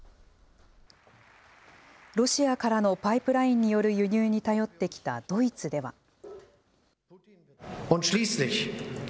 ロシアからのパイプラインによる輸入に頼ってきたドイツでは。